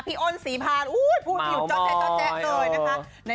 พี่อ้นศรีภาคอุ๊ยพูดอยู่จ๊ะเลยนะฮะ